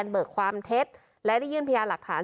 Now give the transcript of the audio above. เบิกความเท็จและได้ยื่นพยานหลักฐาน